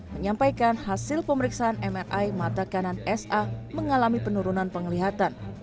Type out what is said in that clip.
menyampaikan hasil pemeriksaan mri mata kanan sa mengalami penurunan penglihatan